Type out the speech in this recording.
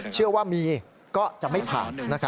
เชื่อว่ามีก็จะไม่ผ่าน